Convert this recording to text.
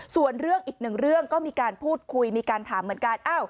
ส่วนเรื่องอีกหนึ่งเรื่องก็มีการพูดคุยมีการถามเหมือนกัน